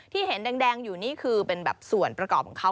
เห็นแดงอยู่นี่คือเป็นแบบส่วนประกอบของเขา